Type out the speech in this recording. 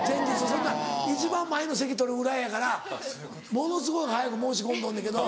そんな一番前の席取るぐらいやからものすごい早く申し込んどんのやけど。